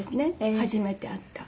初めて会った。